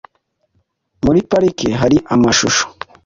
Muri parike hari amashusho .